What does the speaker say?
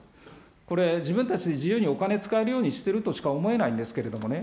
これ、自分たちで自由にお金使えるようにしているとしか思えないんですけどね。